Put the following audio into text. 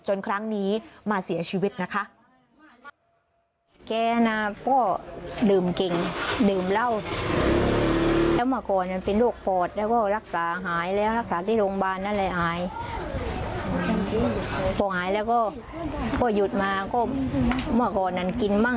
ครั้งนี้มาเสียชีวิตนะคะ